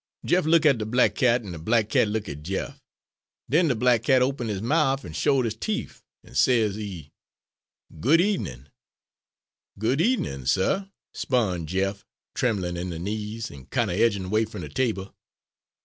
"Jeff look' at de black cat, an' de black cat look' at Jeff. Den de black cat open his mouf an' showed 'is teef, an' sezee " "'Good evenin'!' "'Good evenin' suh,' 'spon' Jeff, trimblin' in de knees, an' kind'er edgin' 'way fum de table.